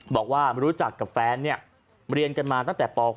บอกว่ารู้จักกับแฟนเรียนกันมาตั้งแต่ป๖